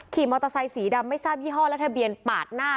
ขี่มอเตอร์ไซค์สีดำไม่ทราบยี่ห้อและทะเบียนปาดหน้า